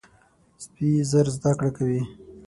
سپي ژر زده کړه کوي.